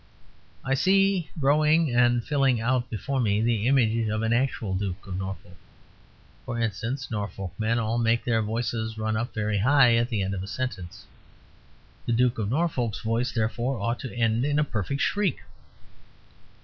I see growing and filling out before me the image of an actual Duke of Norfolk. For instance, Norfolk men all make their voices run up very high at the end of a sentence. The Duke of Norfolk's voice, therefore, ought to end in a perfect shriek.